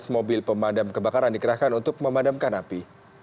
tujuh belas mobil pemadam kebakaran dikerahkan untuk memadamkan api